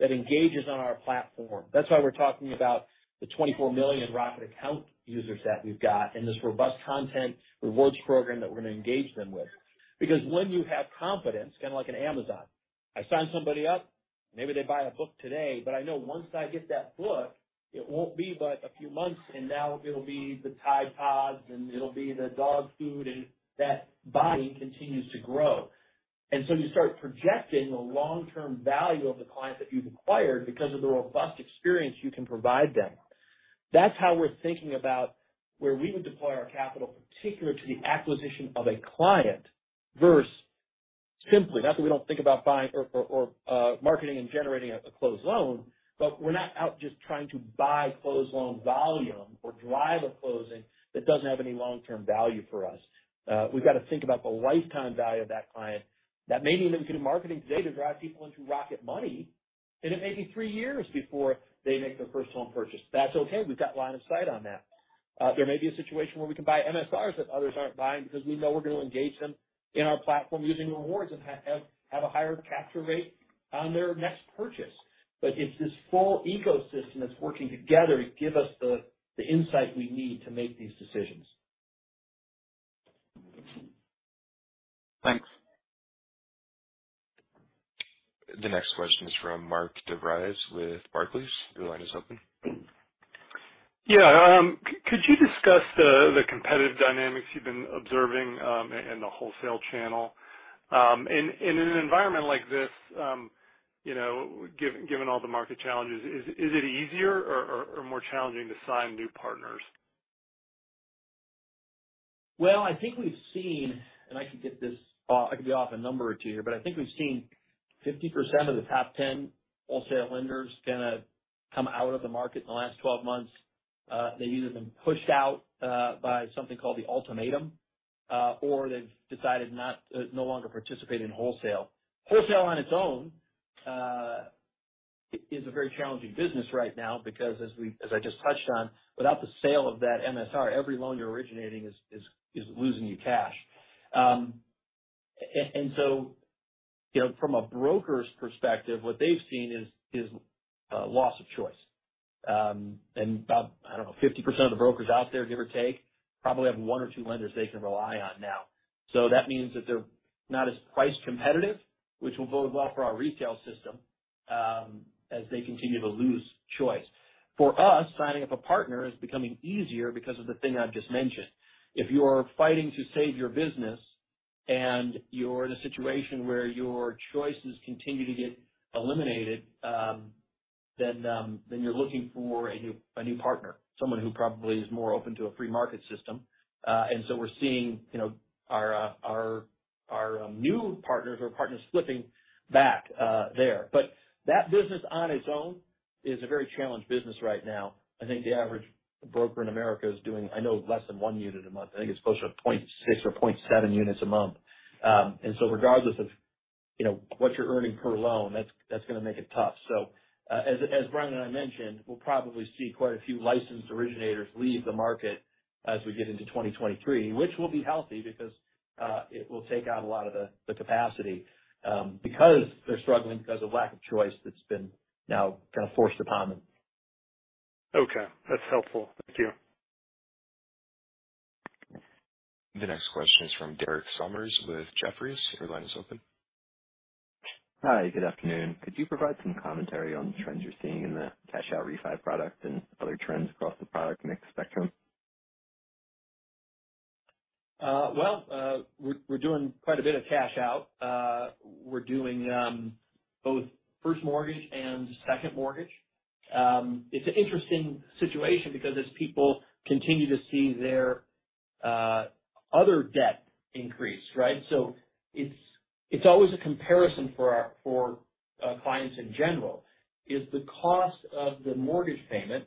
that engages on our platform. That's why we're talking about the 24 million Rocket account users that we've got, and this robust content rewards program that we're gonna engage them with. Because when you have confidence, kinda like an Amazon, I sign somebody up, maybe they buy a book today, but I know once they get that book, it won't be but a few months, and now it'll be the Tide PODS, and it'll be the dog food. That body continues to grow. You start projecting the long-term value of the client that you've acquired because of the robust experience you can provide them. That's how we're thinking about where we would deploy our capital, particular to the acquisition of a client versus simply. Not that we don't think about buying or marketing and generating a closed loan, but we're not out just trying to buy closed loan volume or drive a closing that doesn't have any long-term value for us. We've gotta think about the lifetime value of that client. That may mean that we do marketing today to drive people into Rocket Money, and it may be three years before they make their first home purchase. That's okay. We've got line of sight on that. There may be a situation where we can buy MSRs that others aren't buying because we know we're gonna engage them in our platform using rewards and have a higher capture rate on their next purchase. It's this full ecosystem that's working together to give us the insight we need to make these decisions. Thanks. The next question is from Mark DeVries with Barclays. Your line is open. Yeah. Could you discuss the competitive dynamics you've been observing in the wholesale channel? In an environment like this, you know, given all the market challenges, is it easier or more challenging to sign new partners? Well, I think we've seen, I could be off a number or two here, but I think we've seen 50% of the top 10 wholesale lenders kinda come out of the market in the last 12 months. They've either been pushed out by something called The Ultimatum or they've decided not to no longer participate in wholesale. Wholesale on its own is a very challenging business right now because as I just touched on, without the sale of that MSR, every loan you're originating is losing you cash. You know, from a broker's perspective, what they've seen is loss of choice. About, I don't know, 50% of the brokers out there, give or take, probably have one or two lenders they can rely on now. That means that they're not as price competitive, which will bode well for our retail system, as they continue to lose choice. For us, signing up a partner is becoming easier because of the thing I've just mentioned. If you are fighting to save your business and you're in a situation where your choices continue to get eliminated, then you're looking for a new partner, someone who probably is more open to a free market system. We're seeing, you know, our new partners or partners flipping back there. That business on its own is a very challenged business right now. I think the average broker in America is doing, I know, less than one unit a month. I think it's closer to 0.6 or 0.7 units a month. Regardless of, you know, what you're earning per loan, that's gonna make it tough. As Brian and I mentioned, we'll probably see quite a few licensed originators leave the market as we get into 2023, which will be healthy because it will take out a lot of the capacity because they're struggling because of lack of choice that's been now kinda forced upon them. Okay. That's helpful. Thank you. The next question is from Derek Sommers with Jefferies. Your line is open. Hi. Good afternoon. Could you provide some commentary on trends you're seeing in the cash out refi product and other trends across the product mix spectrum? Well, we're doing quite a bit of cash out. We're doing both first mortgage and second mortgage. It's an interesting situation because as people continue to see their other debt increase, right? It's always a comparison for our clients in general. Is the cost of the mortgage payment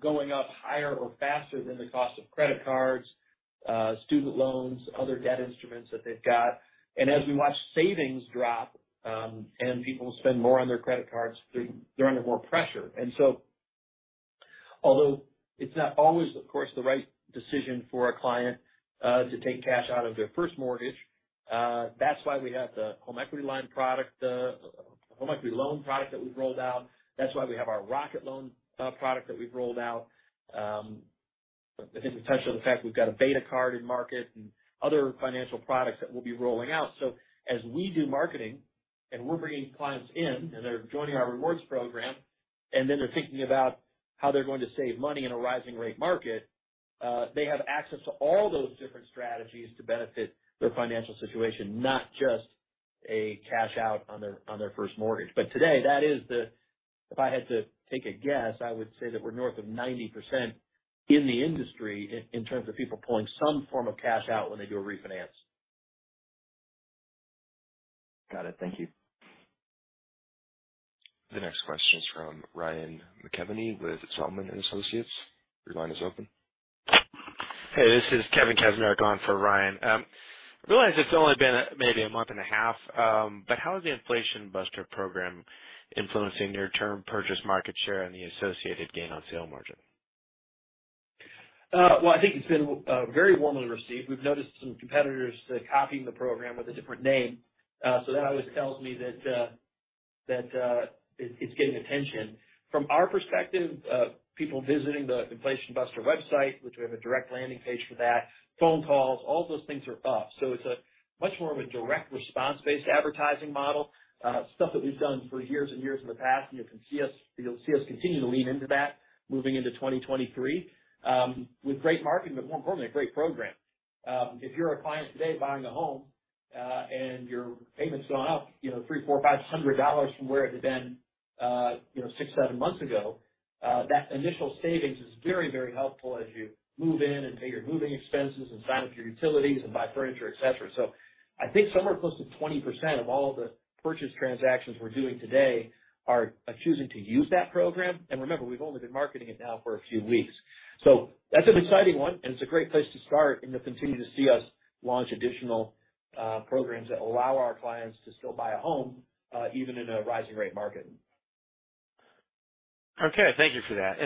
going up higher or faster than the cost of credit cards, student loans, other debt instruments that they've got? As we watch savings drop and people spend more on their credit cards, they're under more pressure. Although it's not always, of course, the right decision for a client to take cash out of their first mortgage, that's why we have the home equity line product, the home equity loan product that we've rolled out. That's why we have our Rocket Loans product that we've rolled out. In addition, the fact we've got a beta card in market and other financial products that we'll be rolling out. As we do marketing and we're bringing clients in and they're joining our Rewards program, and then they're thinking about how they're going to save money in a rising rate market, they have access to all those different strategies to benefit their financial situation, not just a cash out on their first mortgage. Today, that is the. If I had to take a guess, I would say that we're north of 90% in the industry in terms of people pulling some form of cash out when they do a refinance. Got it. Thank you. The next question is from Ryan McKeveny with Zelman & Associates. Your line is open. Hey, this is Kevin Kaczmarek on for Ryan. Realize it's only been maybe a month and a half, but how is the Inflation Buster program influencing near-term purchase market share and the associated gain on sale margin? Well, I think it's been very warmly received. We've noticed some competitors copying the program with a different name, so that always tells me that it's getting attention. From our perspective, people visiting the Inflation Buster website, which we have a direct landing page for that, phone calls, all those things are up. So it's a much more of a direct response-based advertising model, stuff that we've done for years and years in the past. You can see us. You'll see us continue to lean into that moving into 2023, with great marketing, but more importantly, a great program. If you're a client today buying a home, and your payment's gone up, you know, $300, $400, $500 from where it had been, you know, six-seven months ago, that initial savings is very, very helpful as you move in and pay your moving expenses and sign up your utilities and buy furniture, et cetera. I think somewhere close to 20% of all the purchase transactions we're doing today are choosing to use that program. Remember, we've only been marketing it now for a few weeks. That's an exciting one, and it's a great place to start, and you'll continue to see us launch additional, programs that allow our clients to still buy a home, even in a rising rate market. Okay. Thank you for that.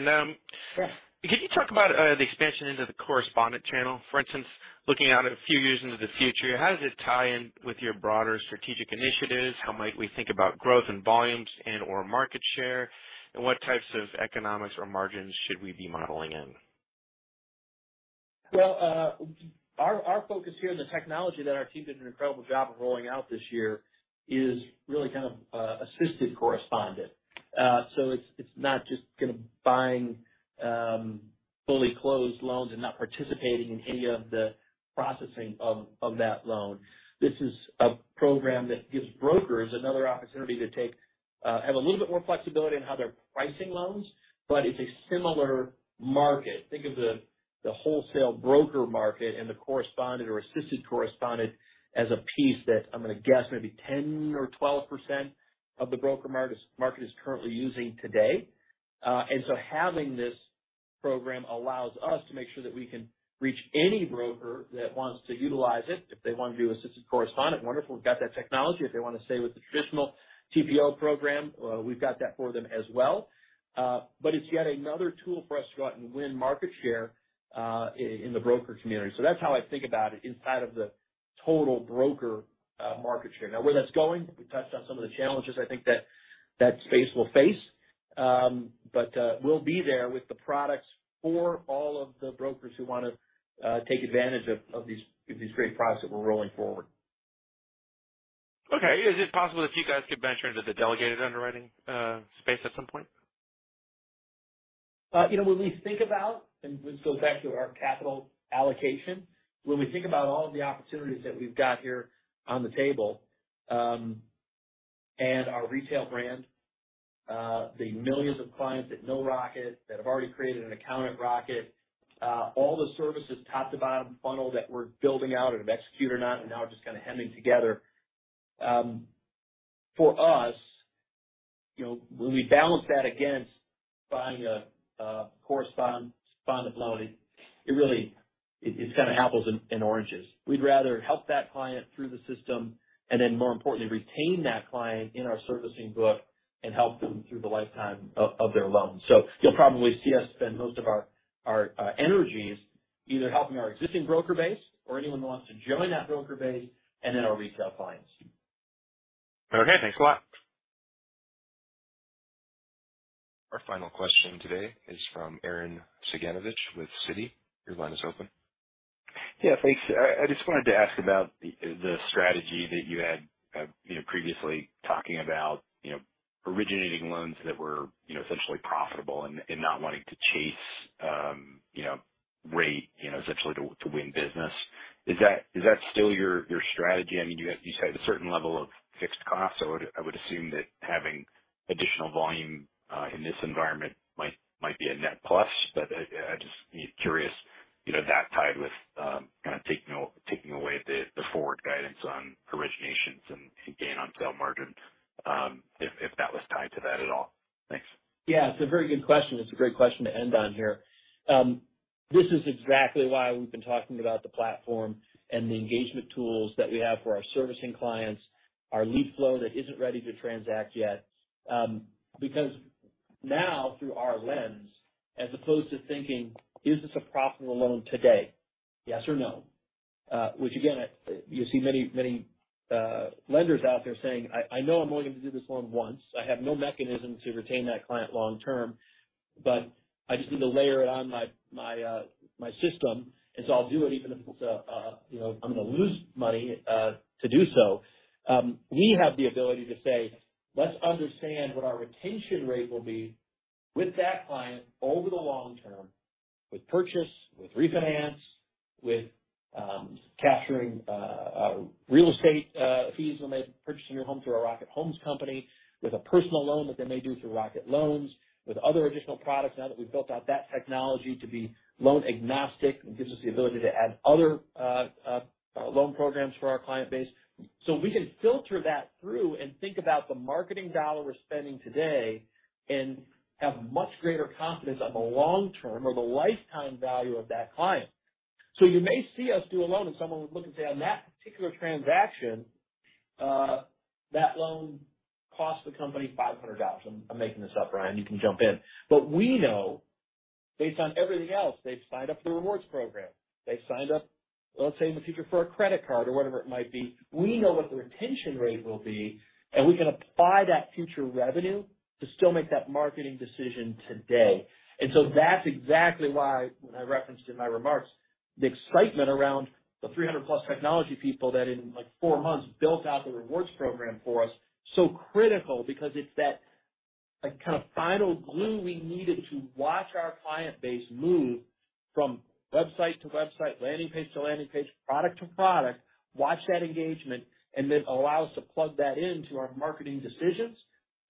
Sure. Could you talk about the expansion into the correspondent channel? For instance, looking out a few years into the future, how does it tie in with your broader strategic initiatives? How might we think about growth and volumes and/or market share? What types of economics or margins should we be modeling in? Our focus here on the technology that our team did an incredible job of rolling out this year is really kind of assisted correspondent. It's not just gonna be buying fully closed loans and not participating in any of the processing of that loan. This is a program that gives brokers another opportunity to have a little bit more flexibility in how they're pricing loans, but it's a similar market. Think of the wholesale broker market and the correspondent or assisted correspondent as a piece that I'm gonna guess maybe 10 or 12% of the broker market is currently using today. Having this program allows us to make sure that we can reach any broker that wants to utilize it. If they wanna do assisted correspondent, wonderful. We've got that technology. If they wanna stay with the traditional TPO program, we've got that for them as well. It's yet another tool for us to go out and win market share in the broker community. That's how I think about it inside of the total broker market share. Now, where that's going, we touched on some of the challenges I think that that space will face. We'll be there with the products for all of the brokers who wanna take advantage of these great products that we're rolling forward. Okay. Is it possible that you guys could venture into the delegated underwriting space at some point? You know, when we think about, and this goes back to our capital allocation, when we think about all of the opportunities that we've got here on the table, and our retail brand, the millions of clients that know Rocket, that have already created an account at Rocket, all the services top to bottom funnel that we're building out or have executed on and now are just kind of hemming together. For us, you know, when we balance that against buying a correspondent loan, it really is kind of apples and oranges. We'd rather help that client through the system and then, more importantly, retain that client in our servicing book and help them through the lifetime of their loan. You'll probably see us spend most of our energies either helping our existing broker base or anyone who wants to join that broker base and then our retail clients. Okay. Thanks a lot. Our final question today is from Arren Cyganovich with Citi. Your line is open. Yeah. Thanks. I just wanted to ask about the strategy that you had, you know, previously talking about, you know, originating loans that were, you know, essentially profitable and not wanting to chase, you know, rate, you know, essentially to win business. Is that still your strategy? I mean, you said a certain level of fixed costs, so I would assume that having additional volume in this environment might be a net plus. But I'm just curious, you know, how that ties with kind of taking away the forward guidance on originations and gain on sale margin, if that was tied to that at all. Thanks. Yeah. It's a very good question. It's a great question to end on here. This is exactly why we've been talking about the platform and the engagement tools that we have for our servicing clients, our lead flow that isn't ready to transact yet, because now through our lens, as opposed to thinking, "Is this a profitable loan today, yes or no?" which again, you see many, many lenders out there saying, "I know I'm only gonna do this loan once. I have no mechanism to retain that client long term, but I just need to layer it on my system, and so I'll do it even if it's, you know, I'm gonna lose money to do so. We have the ability to say, "Let's understand what our retention rate will be with that client over the long term with purchase, with refinance, with capturing real estate fees when they're purchasing their home through our Rocket Homes company, with a personal loan that they may do through Rocket Loans, with other additional products now that we've built out that technology to be loan agnostic." It gives us the ability to add other loan programs for our client base. We can filter that through and think about the marketing dollar we're spending today and have much greater confidence on the long term or the lifetime value of that client. You may see us do a loan, and someone would look and say, "On that particular transaction, that loan cost the company $500." I'm making this up, Brian, you can jump in. We know based on everything else, they've signed up for the rewards program. They've signed up, let's say, in the future for a credit card or whatever it might be. We know what the retention rate will be, and we can apply that future revenue to still make that marketing decision today. That's exactly why, when I referenced in my remarks, the excitement around the 300+ technology people that in, like, four months built out the rewards program for us, so critical because it's that, like, kind of final glue we needed to watch our client base move from website to website, landing page to landing page, product to product, watch that engagement, and then allow us to plug that into our marketing decisions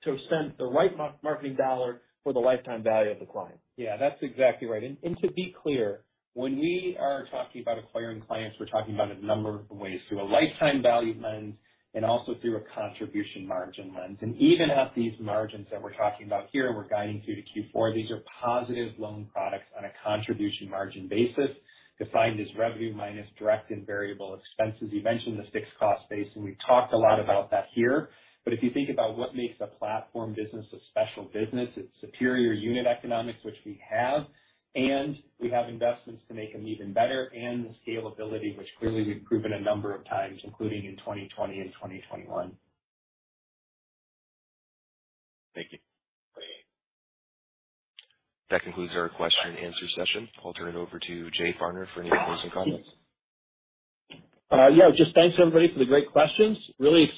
to extend the right marketing dollar for the lifetime value of the client. Yeah, that's exactly right. To be clear, when we are talking about acquiring clients, we're talking about a number of ways, through a lifetime value lens and also through a contribution margin lens. Even at these margins that we're talking about here and we're guiding through to Q4, these are positive loan products on a contribution margin basis, defined as revenue minus direct and variable expenses. You mentioned the fixed cost base, and we've talked a lot about that here. If you think about what makes a platform business a special business, it's superior unit economics, which we have, and we have investments to make them even better and the scalability, which clearly we've proven a number of times, including in 2020 and 2021. Thank you. That concludes our question and answer session. I'll turn it over to Jay Farner for any closing comments. Yeah, just thanks everybody for the great questions. Really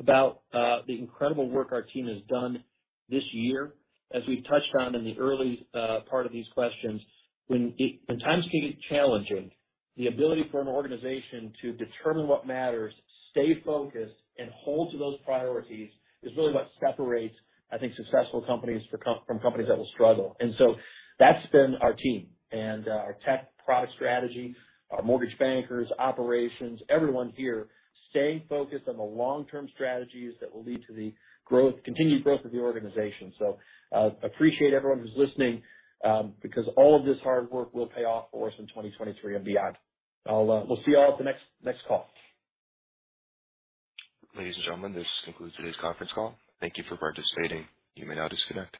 excited about the incredible work our team has done this year. As we've touched on in the early part of these questions, when times get challenging, the ability for an organization to determine what matters, stay focused, and hold to those priorities is really what separates, I think, successful companies from companies that will struggle. That's been our team and our tech product strategy, our mortgage bankers, operations, everyone here staying focused on the long-term strategies that will lead to the continued growth of the organization. Appreciate everyone who's listening, because all of this hard work will pay off for us in 2023 and beyond. We'll see you all at the next call. Ladies and gentlemen, this concludes today's conference call. Thank you for participating. You may now disconnect.